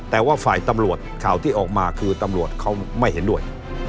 แต่ว่าฝ่ายตำรวจข่าวที่ออกมาคือตำรวจเขาไม่เห็นด้วย